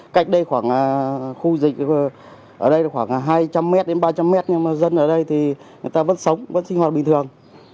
cách đây khoảng khu dịch ở đây khoảng hai trăm linh m đến ba trăm linh mét nhưng mà dân ở đây thì người ta vẫn sống vẫn sinh hoạt bình thường